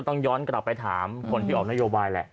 ต้องย้อนกลับไปถามกองที่เอานโยบาย